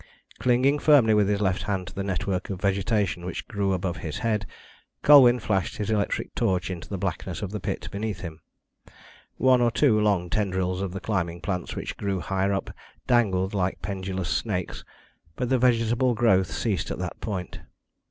Clinging firmly with his left hand to the network of vegetation which grew above his head, Colwyn flashed his electric torch into the blackness of the pit beneath him. One or two long tendrils of the climbing plants which grew higher up dangled like pendulous snakes, but the vegetable growth ceased at that point.